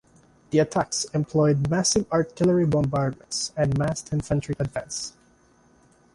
The attacks employed massive artillery bombardments and massed infantry advances.